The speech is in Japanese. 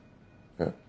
えっ？